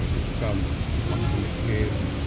bukan untuk miskin